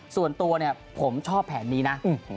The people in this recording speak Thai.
ส่วนตัวผมชอบแผนนี้นะ